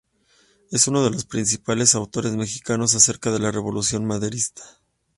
Es uno de los principales autores mexicanos acerca de la Revolución maderista.